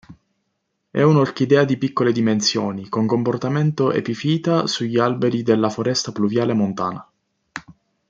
È un'orchidea di piccole dimensioni con comportamento epifita sugli alberi della foresta pluviale montana.